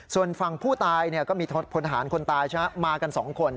ส่วนฝั่งผู้ตายก็มีพลฐานคนตายมากันสองคน